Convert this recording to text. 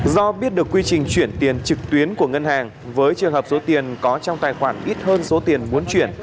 do biết được quy trình chuyển tiền trực tuyến của ngân hàng với trường hợp số tiền có trong tài khoản ít hơn số tiền muốn chuyển